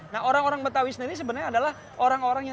nah orang orang betawis ini sebenarnya adalah orang orangnya